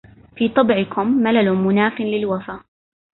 في طبعكم ملل مناف للوفا